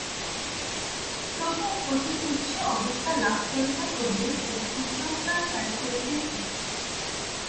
তবুও অতি উচ্চ অবস্থা লাভ করিতে হইলে এই কুসংস্কার ত্যাগ করিতেই হইবে।